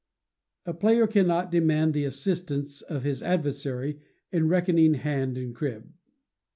A player cannot demand the assistance of his adversary in reckoning hand and crib.